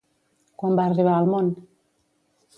Quan va arribar al món?